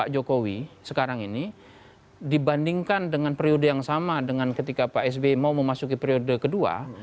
pak jokowi sekarang ini dibandingkan dengan periode yang sama dengan ketika pak sby mau memasuki periode kedua